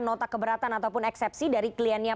nota keberatan ataupun eksepsi dari kliennya